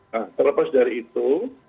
nah terlepas dari itu